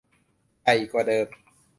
ใหญ่กว่าเดิม